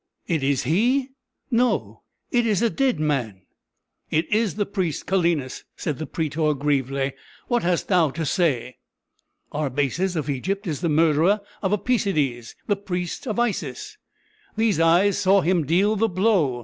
"It is he? No it is a dead man!" "It is the priest Calenus," said the prætor, gravely. "What hast thou to say?" "Arbaces of Egypt is the murderer of Apæcides, the priest of Isis; these eyes saw him deal the blow.